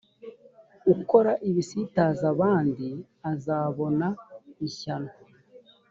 ukora ibisitaza abandi azabona ishyano